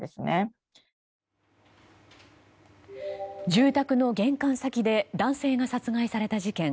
住宅の玄関先で男性が殺害された事件。